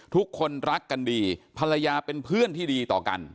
ทุกคนรักกันดีภรรยาเป็นเพื่อนที่ดีต่อกัน